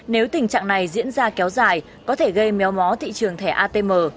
nếu tình trạng này diễn ra kéo dài có thể gây méo mó thị trường thẻ atm